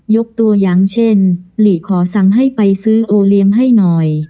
ยกตัวอย่างเช่นหลีขอสั่งให้ไปซื้อโอเลี้ยงให้หน่อย